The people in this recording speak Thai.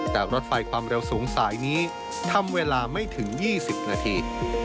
แต่รถไฟความเร็วสูงสายนี้ทำเวลาไม่ถึง๒๐นาที